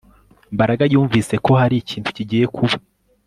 Mbaraga yumvise ko hari ikintu kigiye kuba